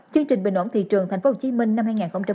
chương trình bình ổn thị trường tp hcm năm hai nghìn một mươi chín